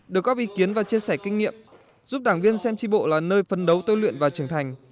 được góp ý kiến và chia sẻ kinh nghiệm giúp đảng viên xem tri bộ là nơi phân đấu tôi luyện và trưởng thành